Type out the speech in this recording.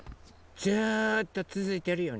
ずっとつづいてるよね。